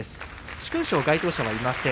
殊勲賞、該当者はいません。